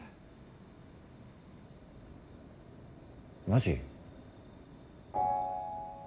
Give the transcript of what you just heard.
マジ？